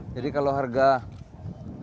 jadi kalau harga naik sudah